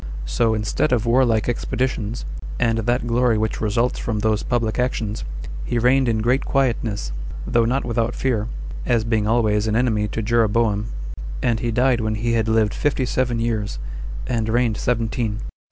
So, instead of warlike expeditions, and that glory which results from those public actions, he reigned in great quietness, though not without fear, as being always an enemy to Jeroboam, and he died when he had lived fifty seven years, and reigned seventeen.